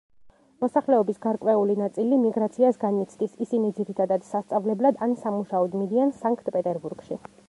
მოსახლეობის გარკვეული ნაწილი მიგრაციას განიცდის, ისინი ძირითადად სასწავლებლად ან სამუშაოდ მიდიან სანქტ-პეტერბურგში.